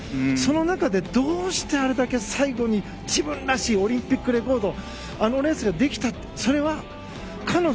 その中でどうしてあれだけ最後に自分らしいオリンピックレコードをあのレースでできたのか。